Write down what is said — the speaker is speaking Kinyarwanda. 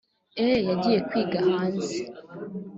E yagiye kwiga hanze